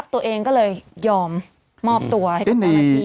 ตัวเองก็เลยยอมมอบตัวให้กับเจ้าหน้าที่